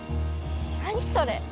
何それ？